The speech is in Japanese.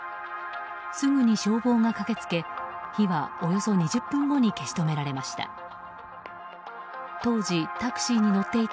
すぐに消防が駆けつけ火はおよそ２０分後に消し止められました。